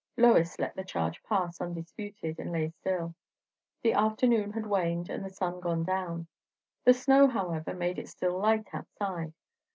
Lois let the charge pass undisputed, and lay still. The afternoon had waned and the sun gone down; the snow, however, made it still light outside.